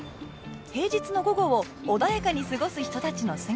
平日の午後を穏やかに過ごす人たちの姿。